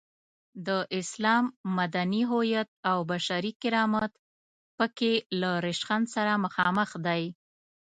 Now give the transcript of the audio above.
د اسلام مدني هویت او بشري کرامت په کې له ریشخند سره مخامخ دی.